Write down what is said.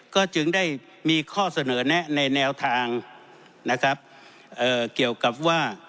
ก็จึงได้มีข้อเสนอแนะในแนวทางนะครับเอ่อเกี่ยวกับว่า